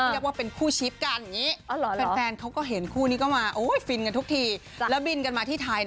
แล้วบินกันมาที่ไทยเนี่ย